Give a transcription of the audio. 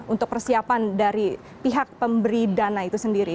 untuk persiapan dari pihak pemberi dana itu sendiri